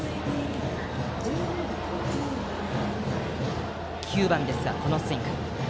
バッターは９番ですがこのスイング。